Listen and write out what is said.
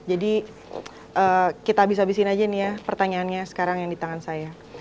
jadi kita abis abisin aja nih ya pertanyaannya sekarang yang di tangan saya